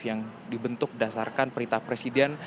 yang dibentuk dasarkan perintah presiden